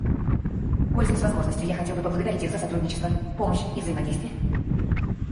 Пользуясь возможностью, я хотел бы поблагодарить их за сотрудничество, помощь и взаимодействие.